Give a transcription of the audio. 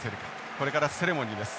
これからセレモニーです。